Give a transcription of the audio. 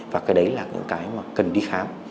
và cái đấy là những cái mà cần đi khám